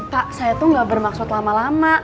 tak saya tuh gak bermaksud lama lama